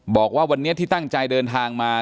บอกว่าวันนี้ที่ตั้งใจเดินทางมา